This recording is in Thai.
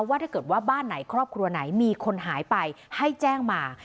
ว่าถ้าเกิดว่าบ้านไหนครอบครัวไหนมีคนหายไปให้แจ้งมา